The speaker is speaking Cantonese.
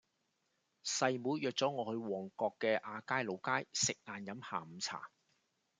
細妹約左我去旺角嘅亞皆老街食晏飲下午茶